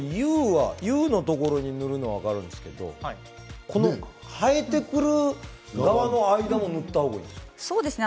Ｕのところに塗るのは分かるんですが生えてくる皮と爪の間にも塗った方がいいですか。